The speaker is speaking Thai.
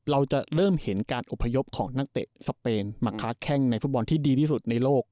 เราจะเริ่มเห็นการอบพยพของนักเตะสเปนมาค้าแข้งในฟุตบอลที่ดีที่สุดในโลก